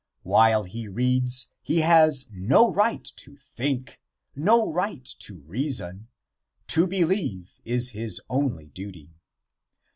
While he reads he has no right to think, no right to reason. To believe is his only duty.